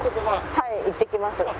はい行ってきます。